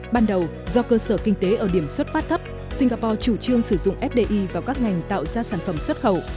ban đầu do cơ sở kinh tế ở điểm xuất phát thấp singapore chủ trương sử dụng fdi vào các ngành tạo ra sản phẩm xuất khẩu